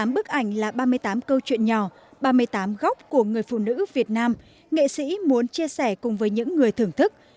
tám bức ảnh là ba mươi tám câu chuyện nhỏ ba mươi tám góc của người phụ nữ việt nam nghệ sĩ muốn chia sẻ cùng với những người thưởng thức